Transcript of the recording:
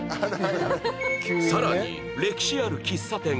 さらに歴史ある喫茶店